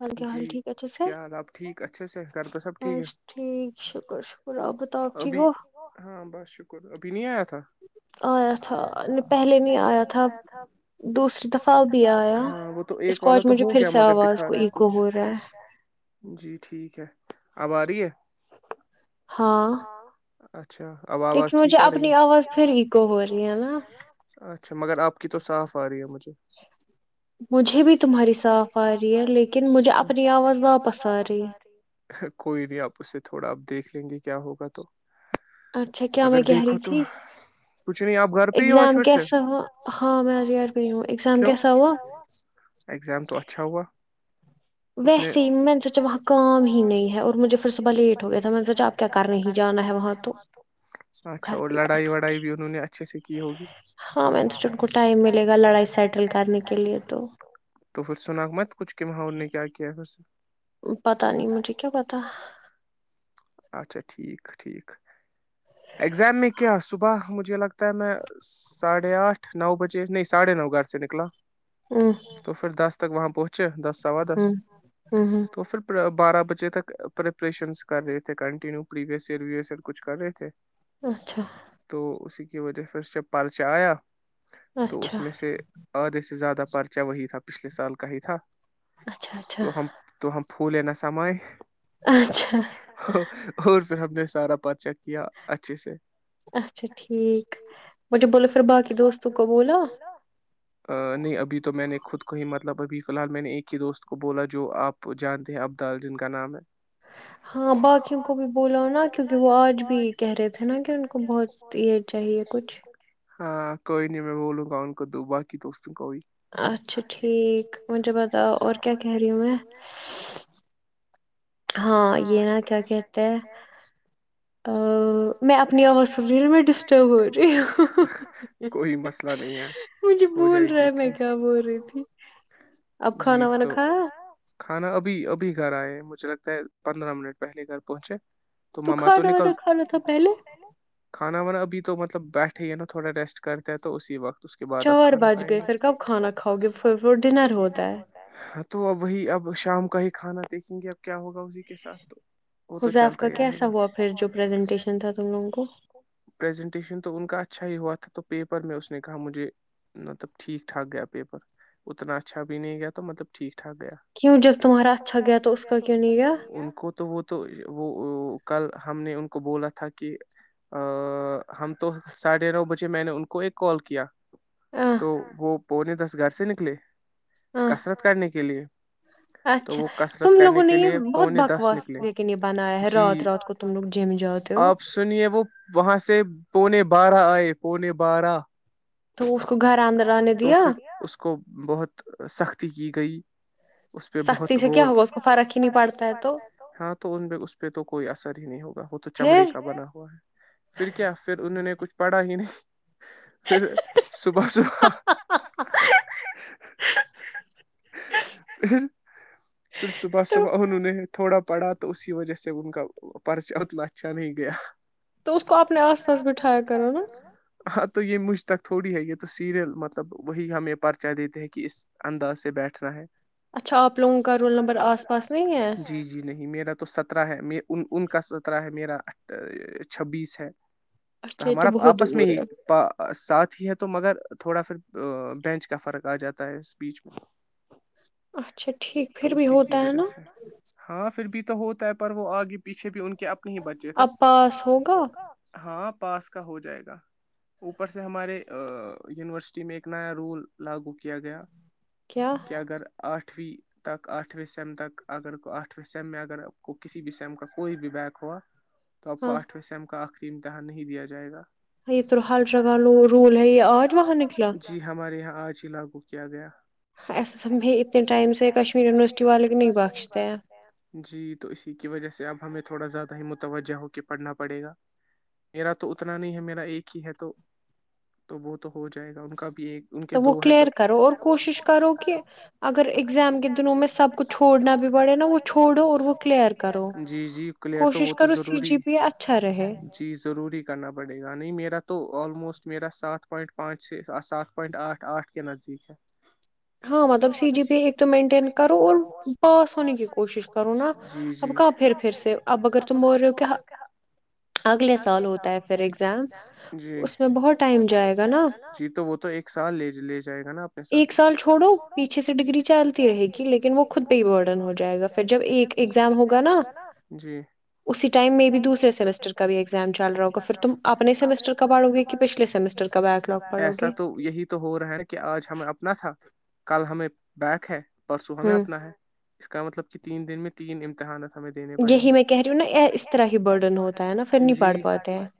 ہاں جی ہال ٹھیک ا سر ب ٹھیک شکر شک ابھی ہاں بس شر ابنییت آیا تھا پہلے نہیں آیا تھا دوسری دفعہ اب آیا اسکاچ مجھے پھر سے آواز کو ایکگو ہو رہا ہے اب آ رہی ہے ہاں اچھا لیکن مجھے اپنی آواز پھر ایکو ہو رہی ہے نا مگر آپ کی تو صاف آ رہی ہے مجھے مجھے بھی تمہاری صاف آ رہی ہے لیکن مجھے اپنی آواز واپس آ رہی کوئی نہیں آپ اسے تھوڑا آپ دیکھ جی کیا ہوگا تو اچھا کیا میں کہہ رہی تھی اگزام کیسا ہوا ہاں میں آج رہی ہوں ایگزام کیسا ہوا ویسے ہی میں نے سوچا وہاں کام ہی نہیں ہے اور مجھے پھر صبح لیٹ ہو گیا تھا میں نے سوچا آپ کیا جا اچھا اور لڑائی وڑائی بھی انہوں نے اچھی گی گا توھر سنا مت کچھ کیا کیا سے پتا نہیں مجھے کیا پتا ٹھیک ٹھیک اگزام میں کیا صبح مجھے لگتا ت میں ساڑھے آٹھ نو بجے نہیں ساڑھے نو گھر سے نکلا تو پھر دس ت وہاں پہنچ اچھا دس آوا دس تو پھر پر بارہ بجے تک پرریپریشنس کر رہے تھے کنینیوریوی کچ کر رہے تھے تو اس کی یہت پیھرھ پ پرچ آیا تو اس میں سے عادث زیادہ پرچہ وہی تھا پچھلے سال کا ہی تھا تو ہم تو ہم فھولین سمے اچھا [inaudible] پھر ہم نے سارا پرچیک کیا اچھے سے اچھا ٹھیک مجھے بولو پھر باقی دوستوں کو بولا کو مطلب ابھی فی الحال میں نے ایک ہی دوست کو بولا جو آپ جانتے ہیں عبدال جن کا نام ہے ہاں باقیوں کو بھی بولا نا کیونکہ وہ آج بھی کہہ رہے تھے نا کہ ان کو بہت یہ چاہیے کچھ ہاں کوئی نہیں میں بولوں گا ان کو دو باقی دوست اچھا ٹھیک م تو پتہ اور کیا کہہ رہی ہوں میں ہاں یہ کہی کوئی مسئلہ نہیں ہے ہو جائے گیٹیک جی تو کھانا ابھی ابھی گھر آئے اچھ لگتا ہے پندرہ منٹ پہلے گھر پہنچے تو ماما تو نکل کھانا وانا ابھی تو م مطلب بیٹھے یہ نا تھوڑایٹ کرتا تو اسی وقت چار بج گئے پھر کب کھانا کھاؤ گےھر ڈنر ہوتا ہے تو اب وہی اب شام کا ہی کھانا دیکھیں گے اب کیا ہوگا اسی کے ساتھ تو حزا آ کا کیسا ہوا پھر جو پریزنٹیشن تھا تم لوگوں کو تو پیپر میں اس نے کہا مجھے مطلب ٹھیک ٹھاک گیا پیپر اتنا اچھا بھی نہیں گیا تو مطلب ٹھیک کیوں جب تمہارا اچھا گیا تو اس کا کیوں نہیں ان کو تو وہ تو وہ کل ہم نے ان کو بولا تھا کہ ہم تو ساڑھے نو بجے میں نے ان کو ایک کال کیا تو وہ بونے دس گھر سے نکلے کسرت کرنے کے لیے تو وہ کسرت کرنے کے لیے بہت بکواس یقنی یہ بنایا ہے رات رات کو تم لوگ جم جاتے ہو سے پونے بارہ آئے پونے بارہ تو تو پھر اس کو بہت سختی کی گئی اس پہ بہت بول ہاں تو اس پہ تو کوئی اثر ہی نہیں ہوگا وہ تو چمڑی کا بنا ہوا ہے پھر کیا پھر انہوں نے کچھ پڑھا ہی نہیں پھر صبح صبح پھر [unintelligible] پھر صبح صبح انہوں نے تھوڑا پڑھا تو اسی وجہ سے ان کا پرچہ اتنا اچھا نہیں گیا تو اس کو اپنے آس پاس بٹھایا کرو نا تو یہ مجھ تک تھوڑی ہے یہ تو سیریل مطلب وہی ہم یہ پرچہ دیتے ہیں کہ اس انداز سے بیٹھنا ہے اچ آپ لوگوں کا ر نمبر جی جی نہیں میرا تو سترہ ہے ان ان کا سترہ ہے میرا چھبیس ہے تو ہمارا آپس میں ہی پ ساتھ ہی تو مگر تھوڑا پھر بینچ کا فرق آ جاتا ہے اس بیچ میں اچھا ٹھیک پھر بھی ہوتا ہے نا تو ہوتا ہے پر وہ آگے پیچھے بھی ان کے اپنے ہی بچے تھےا ہوگا ہاں پاس کا ہو جائے گا اوپر سے ہمارے یونیورسٹی میں ایک نیا رول لاگو کیا گیا کہ اگر آٹھ آٹھویں تک آٹھویں سیم تک اگر آٹھویں سیم میں اگر کو کسی بھی سیم کا کوئی بھی بیک ہوا تو آپ کو آٹھویں سےیم کا امتحان نہیں دیا جائے گا تور حال شگالو رول جی ہمارے یہاں آج ہی لاگو کیا گیا ٹ جی تو اسی کی وجہ سے اب ہم تھوڑا زیادہ ہی متوجہ ہو کے پڑھنا پڑے گا میرا تو اتنا نہیں ہے میرا ایک ہی ہے تو تو وہ تو ہو جائے گا ان کا ان کے دو ہے تو کلی کرو اور کوشش کرو کہ اگر ایزام دنوں میں سب چھنا بھی پڑے نا کلی جی جی کلیئر تو وہ تو ضروری اچھا جی ضروری کرنا پڑے گا نہیں میرا تو آلموسٹ اسج میرا سات پوائنٹ پانچ سات پوائنٹ آٹھ آٹھ کے نزدیک ہے ہاں مطلب سی ڈی پی ایک تو مینٹین کرو اور پاس ہونے کی کوشش کرو نا اب کہ پھر پھر سے اب اگر تم بول رہے ہو کہ اگلے سال ہوتا ہے پھر ایگزام اس میں بہت بہت ٹائم جائے گا نا جی تو وہ تو ایک سال لے جائے گا نا اپنے ساتھ سال چھڑو پیچھے سے ڈگری چلتی رہے گی لیکن وہ خود پہ ہی برڈن ہو جائے گا پھر جب ایک ایگزام ہوگا نا اسی ٹائم میں بھی دوسرے سمسٹر کا بھی ایگزام چل رہا ہوگا پھر تم اپنے سمسٹر کبڑو گے کہ پچھلے پچھلےٹر ایسا تو یہی تو ہو رہا ہے کہ آج ہمیں اپنا تھا کل ہمیں بیک ہے پرسوں ہمیں اپنا ہے اس کا مطلب کہ تین دن میں تین امتحانات ہمیں دینے پڑیں گے جی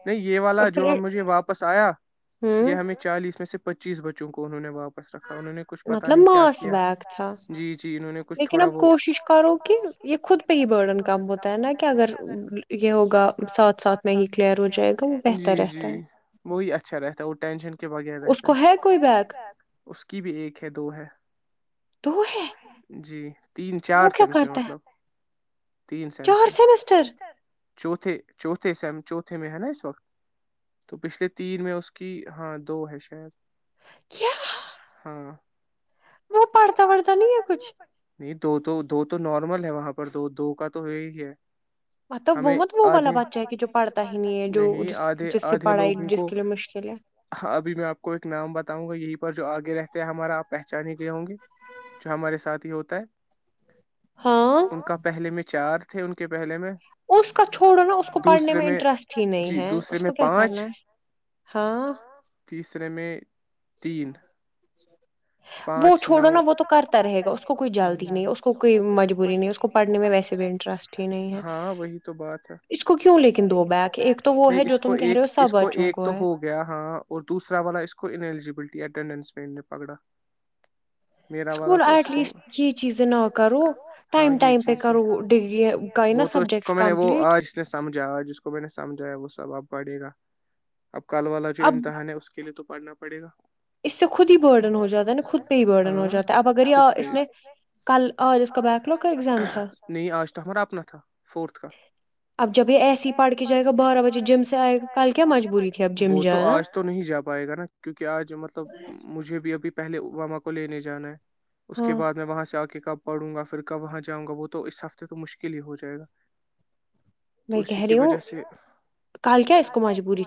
نہیں یہ والا جو مجھے واپس آیا یہ ہمیں چالیس میں سے پچیس بچوں کو انوں نے باپ مطلب ماس بیک تھا لیکن اب کوشش کرو کہ یہ خود پہ ہی برڈن کم ہوتا ہے نا کہ اگر یہ ہوگا ساتھ ساتھ میں ہی کلیئر ہو جائے گا وہ بہتر رہتا ہے بیٹ اؤٹ ٹینشن کے بغیر رہتا ہے اس کی بھی ایک ہے دو ہے جی تین چار سمسٹر تین سیمس میں چو چوھے س میں ہے نا اس وقت تو پچھلے تین میں اس کی ہاں دو ہے شاید کیا وہ پڑھتا وڑھتا نہیں ہے کچھ نہیں دو تو دو تو نارمل ہے وہاں پر دو دو کا تو یہی ہے مطلب بہت منہ والا بن جائے گی جو پڑتا ہی نہیں ہے جو جس سے پڑھائی جس کے لیے ابھی میں آپ کو ایک نام بتاؤں گا یہی جو آگے رہتے ہیں ہمارا آپ پہچان ہی گئے ہوں گے جو ہمارے ساتھ ہی ہوتا ہے ان کا پہلے میں چار تھے ان کے پہلے میں اس کا چھوڑو نا اس کو پڑھنے میں انٹرسٹ ہی نہیں ہے اس کو کیا کرنا ہے تیسرے میں تین وہ چھوڑو نا وہ تو کرتا رہے گا اس کو کوئی جلدی نہیں اس کو کوئی مجبوری نہیں اس کو پڑھنے میں ویسے بھی انٹرسٹ ہی نہیں ہے اس کو کیوں لیکن دو بییک ایک تو وہ ہے جو تم کہہ رہے ہو سب بچوں کو تو ہو گیا ہاں اور دوسرا والا اس کو انلیجیبلٹی اٹینڈنس میں نے پکڑا میرا والا تو اس کو ہاں یہ چیز وہ تو اس کو میں نے وہ آج سمجھا آج اس کو میں نے سمجھایا وہ سب اب پڑھے گا کل والا جو امتحان ہے اس کے لیے تو پڑھنا پڑے گا اس سے ہی بن جاتاات آجارنا تھا فھ کا اب جب ایسے پڑھ کےائے گا بارہ بے ج سے گا وہ تو آج تو نہیں جا پائے گا نا کیوںکہ آپ جو مطلب مجھے بھی ابھی پہلے اواما کو لینے جانا ہے اس کے بعد میں وہاں سے آ کے کہ کب پڑوں گا پھر کب وہاں جاؤں گا وہ تو اس ہفتے تو مشکل ہی ہو جائے گا میں کہہ رہی ہوں کل کیا اس کو مجبوری تھی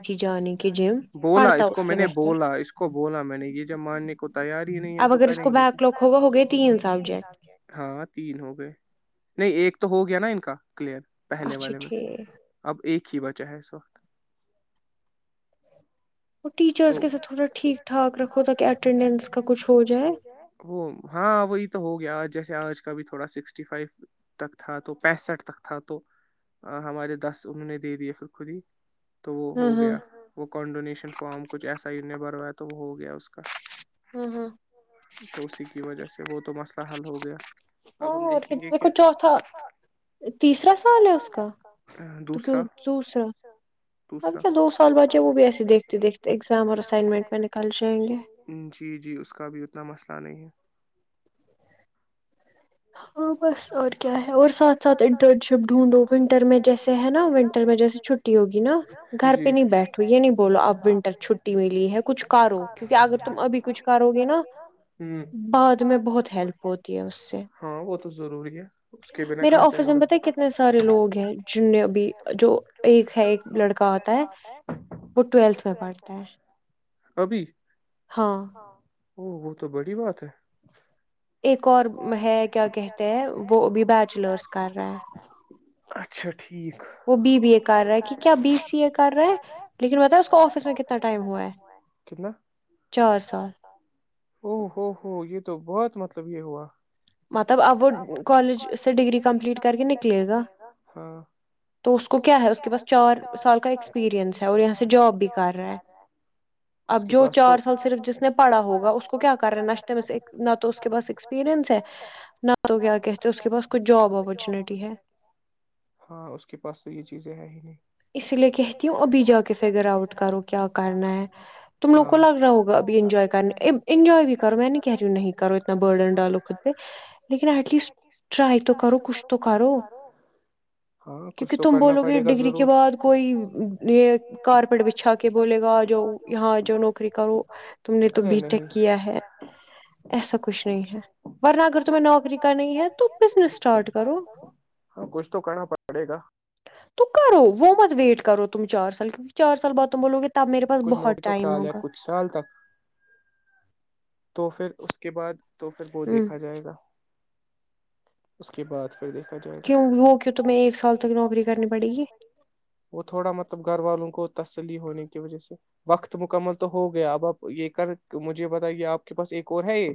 بولا اس کو میں نے بولا اس کو بولا میں نے یہ جب ماننے کو تیار ہی نہیں ہے تو کریں گے ہاں تین ہو گئے نہیں ایک تو ہو گیا نا ان کا کلیئر پہلے والے میں اب ایک ہی اھی بچاہ ہے سخت توٹھیکھچ ہاں وہی تو ہو گیاج جیسے آج کا بھی تھڑا س فٹی فائیو تک تھا تو پینسٹھ تک تھا تو ہمارے دس انہوں نے دے دیے پھر خود ہی تو وہ ہو گیا وہ کنڈونیشن فارم کیسا ہی نے بھروا تو وہ ہو گیا اس کا تو اسی کی وجہ سے وہ تو مس ملہ حل ہو گیا ہاں دیکھو چوتھا تیسرا سال ہے اس کا توک دوسرا اب کیا دو سال بچے وہ بھی ایسے دیکھتے دیکھتے جی جی اس کا بھی اتنا مسئلہ نہیں ہے [inaudible] ہاں بس اور کیا ہے اور ساتھ ساتھ انٹرن شپ ڈھونڈو ونٹر میں جیسے ہے نا ونٹر میں جیسے چھٹی ہوگی نا گھر پہ نہیں بیٹھو یہ نہیں بولو اب ونٹر چھٹی ملی ہے کچھ کرو کیوںکہ اگر تم ابھی کچھ کرو گے نا بعد میں بہت ہیلپ ہوتی ہے اس سے میرا آفرس میں پتا کتنے سارے لوگ ہیں جن میں اب جو ایک ہے ایک لڑکا آتا ہے وہ ٹویلتھ میں پڑھتا ہے ہاں او وہ تو بڑی بات ہے ایک اور ہے کیا کہتے ہیں وہ بھی بیچلرس کر رہا ہیں وہ بی بی ا کر رہا کہ کیا بی سی ا کر رہا ہیں لیکن بت اس کو آفس میں کتنا ٹائم ہوا ہے چار سال او ہو ہو یہ تو بہت مطلب یہ ہوا مطلب اب وہ کالج سے ڈگری کمپلیٹ کر کے نکلے گا تو کو کیا ہے چار سال کا ایکپیرس اور یہاں سے جاب بھی کر رہا ہےار سال صف جس پڑا ہوگا اس کیا رہا اپچ ہاں اس کے پاس چیزیں ہے ہی نہیں اسی لیے کہتی ہوں ابھی جا کے فگر آؤٹ کرو کیا کرنا ہے تم لوگ کو لگ رہا ہوگا ابھی انجوائے کرنے انجوائے بھی کرو میں نہیں کہہ رہی ہوں نہیں کرو اتنا برڈن ڈالو خود پہ لیکن ایٹ لیسٹ ٹرائی تو کرو کچھ تو کرو کیونکہ تم بولو گے ڈگری کے اس کے بعد کوئی یہ کارپیٹ بچھا کے بولے گا جاؤ یہاں جا نوکری کرو تم نے تو بیٹیک کیا ہے ایسا کچھ نہیں ہے اگر تمہیں نوکری کرنی ہے تو بزنس سٹارٹ کرو ہاں کچھ تو کرنا پڑے گا۔ کرو وہ مت ویٹ کرو تم چار سال کیونکہ چار سال بعد تم بولوگے۔ کچھ نوکری تو سال یا کچھ سال تک۔ تو پھر اس کے بعد۔ تو پھر وہ دیکھا جائے گا۔ اس کے بعد۔ پھر دیکھا جائے گا گی وہ تھوڑا مطلب گھر والوں کو۔ تسلی ہونے کی وجہ سے وقت مکمل تو ہو گیا اب آپ یہ کر مجھے بتایے آپ۔ کے پاس ایک اور ہے یہ۔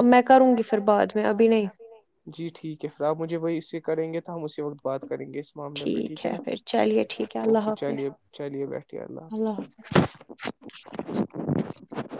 ہاں میں کروں گی پھر بعد میں ابھی نہیں جی ٹھیک ہے پھر اپ مجھے وہی سے۔ کریں گے تو ہم اسی وقت بات کریں گے۔ اس معاملے پہ ٹھیک ہے نا اوکے چلیے چلیے بیٹھیے اللہ حافظ۔